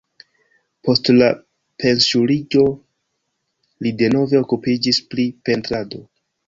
Post la pensiuliĝo li denove okupiĝis pri pentrado.